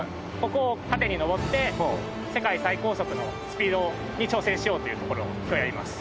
ここを縦に昇って世界最高速のスピードに挑戦しようというところを今日やります。